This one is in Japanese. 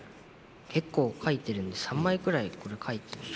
結構書いてるんで３枚くらいこれ書いてるんです。